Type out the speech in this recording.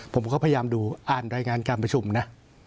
ผมก็พยายามดูอ่านรายงานการประชุมนะ